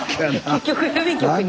結局郵便局に。